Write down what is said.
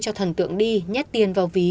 cho thần tượng đi nhét tiền vào ví